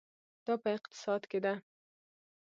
دا په اقتصاد کې ده.